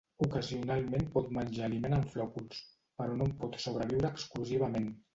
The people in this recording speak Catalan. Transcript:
Ocasionalment pot menjar aliment en flòculs, però no en pot sobreviure exclusivament.